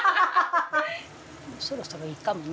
そろそろいいかもね。